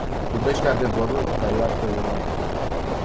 Iubește adevărul, dar iartă eroarea.